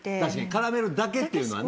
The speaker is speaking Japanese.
カラメルだけっていうのはね。